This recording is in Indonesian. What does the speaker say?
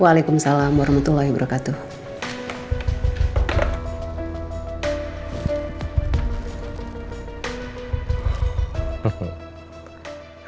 waalaikumsalam warahmatullahi wabarakatuh